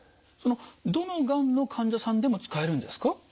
そのどのがんの患者さんでも使えるんですか？